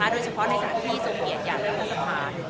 โดยเฉพาะในสถานที่โซเวียนอย่างมันสำคัญ